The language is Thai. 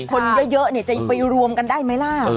คนเยอะจะไปรวมกันได้ไหมล่ะ